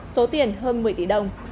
số tiền hơn một mươi tỷ đồng